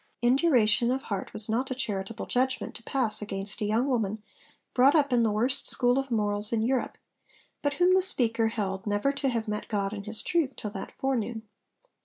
Induration of heart was not a charitable judgment to pass against a young woman brought up in the worst school of morals in Europe, but whom the speaker held never to have met 'God and his truth' till that forenoon.